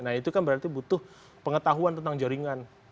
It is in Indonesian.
nah itu kan berarti butuh pengetahuan tentang jaringan